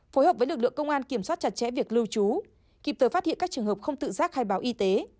phối hợp với lực lượng công an kiểm soát chặt chẽ việc lưu trú kịp thời phát hiện các trường hợp không tự giác khai báo y tế